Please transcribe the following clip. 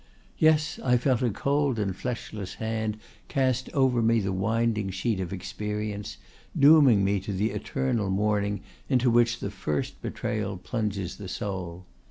Yes; I felt a cold and fleshless hand cast over me the winding sheet of experience, dooming me to the eternal mourning into which the first betrayal plunges the soul.